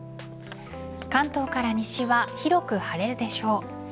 関東から西は広く晴れるでしょう。